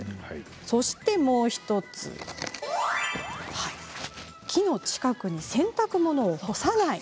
そして、もう１つ木の近くに洗濯物を干さない。